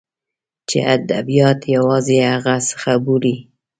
چې ادبیات یوازې همغه څه بولي.